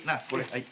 はい。